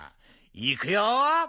いくよ。